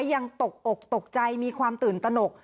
ยังตกอกตกใจมีความตื่นตนก